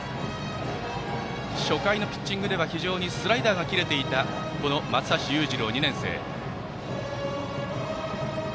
初回のピッチングでは非常にスライダーが切れていたこの松橋裕次郎、２年生。